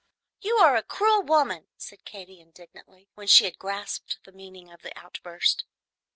"You are a cruel woman," said Katy, indignantly, when she had grasped the meaning of the outburst.